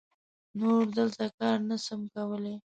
نور دلته کار نه سم کولای.